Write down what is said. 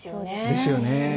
ですよね。